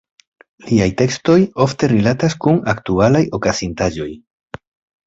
Liaj tekstoj ofte rilatas kun aktualaj okazintaĵoj.